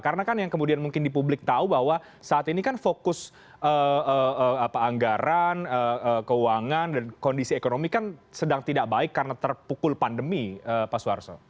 karena kan yang kemudian mungkin di publik tahu bahwa saat ini kan fokus anggaran keuangan dan kondisi ekonomi kan sedang tidak baik karena terpukul pandemi pak swarso